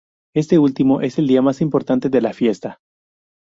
Este último es el día más importante de la fiesta.